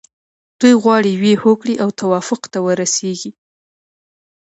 دوی غواړي یوې هوکړې او توافق ته ورسیږي.